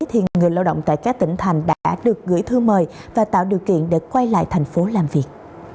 hoạt động tại các tỉnh thành đã được gửi thư mời và tạo điều kiện để quay lại thành phố làm việc